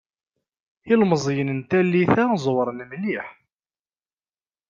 Ilmeẓiyen n tallit-a ẓewṛen mliḥ.